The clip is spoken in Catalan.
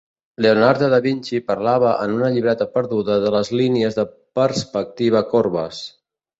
Leonardo da Vinci parlava en una llibreta perduda de les línies de perspectiva corbes.